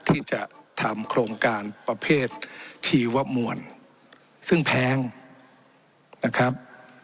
ที่จะทำโครงการประเภทชีวมวลซึ่งแพงนะครับ